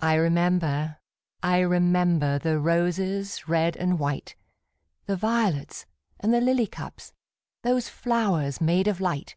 I remember, I remember, The roses, red and white, The violets, and the lily cups, Those flowers made of light!